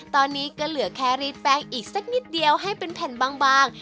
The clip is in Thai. ตอนนี้ก็เหลือแค่รีดแป้งอีกสักนิดเดียวให้เป็นแผ่นบาง